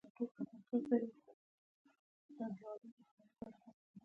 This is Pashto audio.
د ټکنالوجۍ پراختیا د بشري ذهن لا پراخوي.